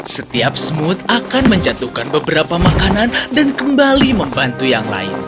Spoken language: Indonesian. setiap semut akan menjatuhkan beberapa makanan dan kembali membantu yang lain